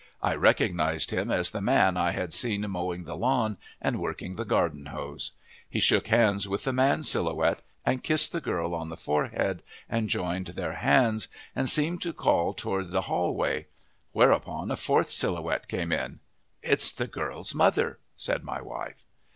I recognized him as the man I had seen mowing the lawn and working the garden hose. He shook hands with the Man Silhouette, and kissed the Girl on the forehead, and joined their hands, and seemed to call toward the hallway; whereupon a fourth Silhouette came in. "It's the Girl's mother!" said my wife.